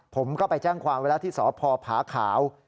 ผมเข้าไปแจ้งความเวลาที่สภภาขาว